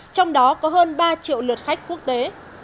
trong đó có hơn ba triệu lượt khách quốc tế